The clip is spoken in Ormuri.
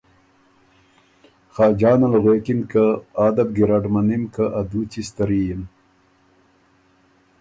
خاجان ال غوېکِن که ”آ ده بو ګیرډ مَنِم که ا دُوچی ستری یِن“